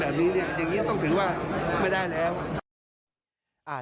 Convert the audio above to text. อย่างนี้ต้องถือว่าไม่ได้แล้ว